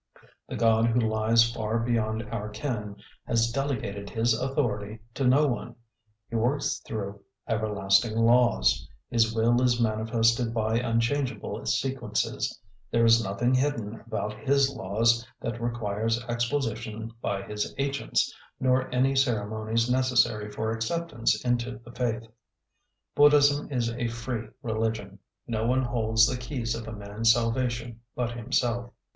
The God who lies far beyond our ken has delegated His authority to no one. He works through everlasting laws. His will is manifested by unchangeable sequences. There is nothing hidden about His laws that requires exposition by His agents, nor any ceremonies necessary for acceptance into the faith. Buddhism is a free religion. No one holds the keys of a man's salvation but himself.